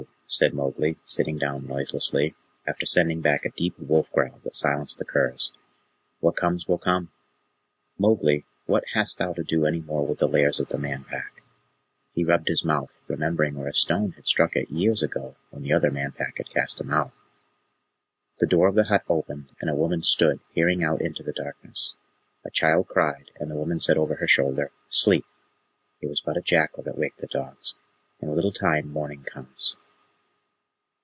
said Mowgli, sitting down noiselessly, after sending back a deep wolf growl that silenced the curs. "What comes will come. Mowgli, what hast thou to do any more with the lairs of the Man Pack?" He rubbed his mouth, remembering where a stone had struck it years ago when the other Man Pack had cast him out. The door of the hut opened, and a woman stood peering out into the darkness. A child cried, and the woman said over her shoulder, "Sleep. It was but a jackal that waked the dogs. In a little time morning comes."